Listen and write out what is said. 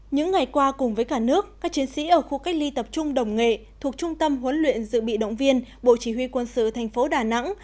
những ngày qua cùng với cả nước các chiến sĩ ở khu cách ly tập trung đồng nghệ thuộc trung tâm huấn luyện dự bị động viên bộ chỉ huy quân sự thành phố đà nẵng